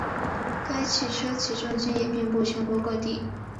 该汽车起重机也遍布全国各地。